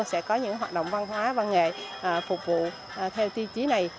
chúng tôi sẽ có những hoạt động văn hóa văn nghệ phục vụ theo ti trí này